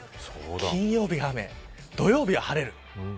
金曜日雨土曜日は晴れる。